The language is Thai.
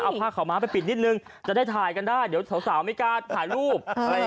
เอาผ้าขาวม้าไปปิดนิดนึงจะได้ถ่ายกันได้เดี๋ยวสาวไม่กล้าถ่ายรูป